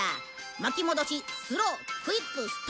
巻き戻しスロークイックストップ。